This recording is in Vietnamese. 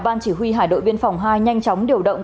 ban chỉ huy hải đội biên phòng hai nhanh chóng điều động